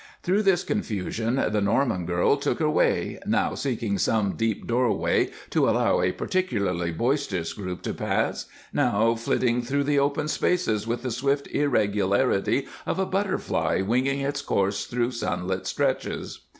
Through this confusion the Norman girl took her way, now seeking some deep doorway to allow a particularly boisterous group to pass, now flitting through the open spaces with the swift irregularity of a butterfly winging its course through sunlit stretches.